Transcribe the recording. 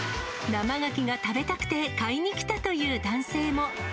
生ガキが食べたくて買いにきたという男性も。